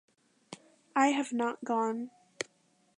I have not gone.